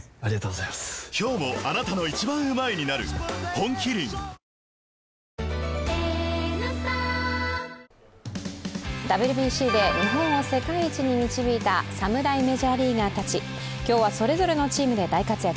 本麒麟ＷＢＣで日本を世界一に導いた侍メジャーリーガーたち、今日はそれぞれのチームで大活躍。